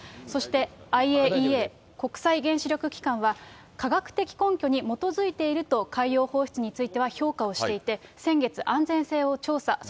そしてＩＡＥＡ・国際原子力機関は、科学的根拠に基づいていると、海洋放出については評価をしていて、先月、安全性を調査。